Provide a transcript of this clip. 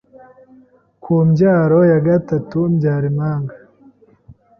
ku mbyaro ya gatatu mbyara impanga,